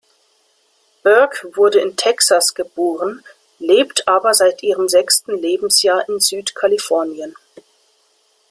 Burke wurde in Texas geboren, lebt aber seit ihrem sechsten Lebensjahr in Südkalifornien.